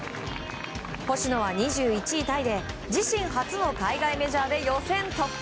星野は２１位タイで自身初の海外メジャーで予選突破。